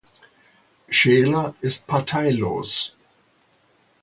Scheler ist parteilos.